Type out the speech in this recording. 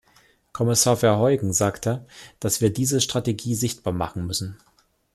Kommissar Verheugen sagte, dass wir diese Strategie sichtbar machen müssen.